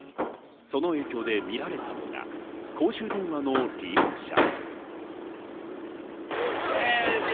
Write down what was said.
その影響で見られたのが、公衆電話の利用者。